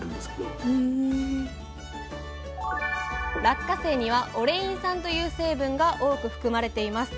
落花生にはオレイン酸という成分が多く含まれています。